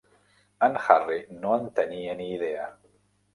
En Harry no en tenia ni idea.